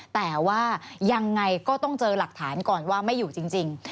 แต่ว่ายังไงก็ต้องเจอหลักฐานก่อนว่าไม่อยู่จริง